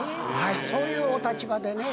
そういうお立場でね。